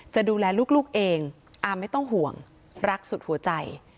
จะดูแลลูกเองอามไม่ต้องห่วงรักสุดหัวใจ